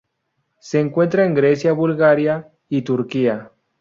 Se encuentra en Grecia Bulgaria y Turquía.